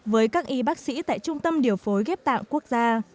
với các y bác sĩ tại trung tâm điều phối ghép tạng quốc gia